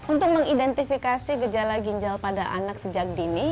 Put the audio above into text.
untuk mengidentifikasi gejala ginjal pada anak sejak dini